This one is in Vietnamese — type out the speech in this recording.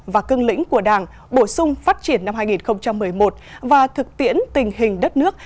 và cưng lĩnh của đảng bổ sung phát triển năm hai nghìn một mươi một và thực tiễn tình hình đất nước